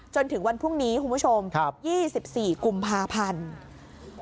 จนถึงวันพรุ่งนี้คุณผู้ชม๒๔กุมภาพันธ์